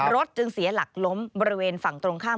จึงเสียหลักล้มบริเวณฝั่งตรงข้าม